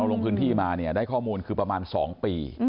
ลงพื้นที่มาเนี่ยได้ข้อมูลคือประมาณ๒ปี